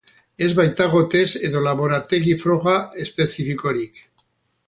Ez baitago test edo laborategi froga espezifikorik.